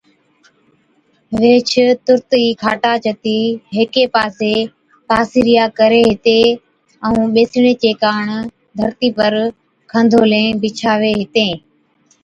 ويھِچ تُرت ئِي کاٽان جتِي ھيڪي پاسي پاسِيريا ڪرين ھِتين ائُون ٻيسڻي چي ڪاڻ ڌرتِي پر کنڌولين بِڇاوين ھِتين